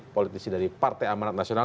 politisi dari partai amanat nasional